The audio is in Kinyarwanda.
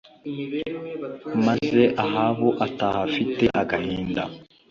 Maze Ahabu ataha afite agahinda